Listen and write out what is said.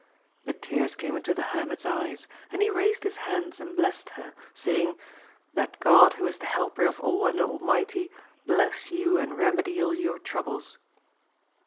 The tears came into the hermit's eyes, and he raised his hands and blessed her, saying. That God who is the helper of all and almighty, bless you and remedy all your troubles